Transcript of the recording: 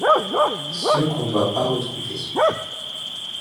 Ceux qu'on doit pas retrouver.